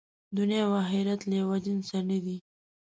دنیا او آخرت له یوه جنسه نه دي.